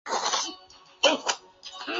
奥尔河畔勒普若。